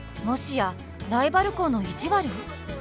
もしやライバル校の意地悪？